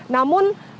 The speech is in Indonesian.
namun hanya segelitnya